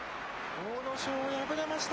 阿武咲、敗れました。